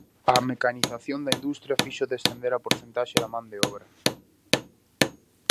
A mecanización da industria fixo descender a porcentaxe da man de obra.